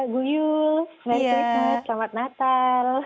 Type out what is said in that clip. guyu merry christmas selamat natal